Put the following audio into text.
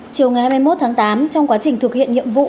chiều ngày hai mươi một tháng tám trong quá trình thực hiện nhiệm vụ